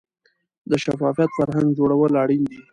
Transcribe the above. د شفافیت فرهنګ جوړول اړین دي